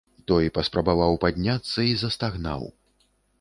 Той паспрабаваў падняцца і застагнаў.